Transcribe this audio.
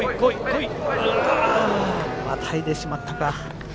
またいでしまったか。